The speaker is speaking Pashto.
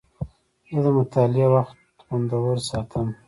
زه د مطالعې وخت خوندور ساتم.